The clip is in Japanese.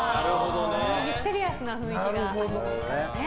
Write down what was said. ミステリアスな雰囲気がありますね。